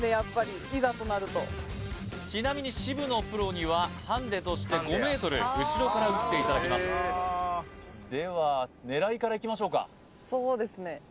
ちなみに渋野プロにはハンデとして５ｍ後ろから打っていただきますでは狙いからいきましょうかそうですね